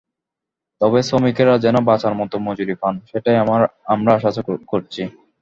তবে শ্রমিকেরা যেন বাঁচার মতো মজুরি পান, সেটাই আমরা আশা করছি।